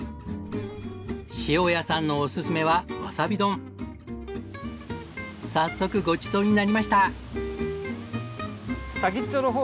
塩谷さんのおすすめは早速ごちそうになりました。